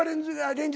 連日。